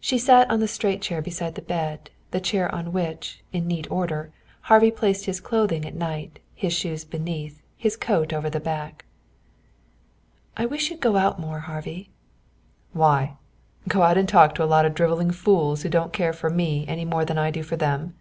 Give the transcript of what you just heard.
She sat on the straight chair beside the bed, the chair on which, in neat order, Harvey placed his clothing at night, his shoes beneath, his coat over the back. "I wish you'd go out more, Harvey." "Why? Go out and talk to a lot of driveling fools who don't care for me any more than I do for them?"